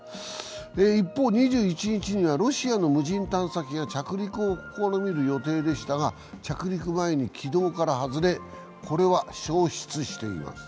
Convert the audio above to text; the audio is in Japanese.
一方、２１日にはロシア無人探査機が着陸を試みる予定でしたが、着陸前に軌道から外れ、これは消失しています。